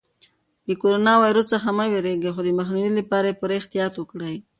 له کرونا ویروس څخه مه وېرېږئ خو د مخنیوي لپاره یې پوره احتیاط وکړئ.